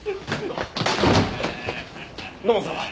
土門さんは？